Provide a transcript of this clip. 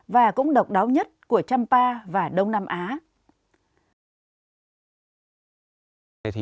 và cũng độc đáo nhất của champa và đông nam á